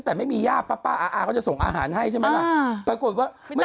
แต่จริงเขาบอกว่าร้อนมันจะน้อยก้ายเตอร์บ้านเธอบ้าปกติ